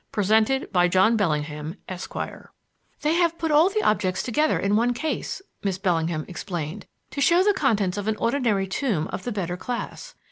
Presented by John Bellingham, Esq." "They have put all the objects together in one case," Miss Bellingham explained, "to show the contents of an ordinary tomb of the better class.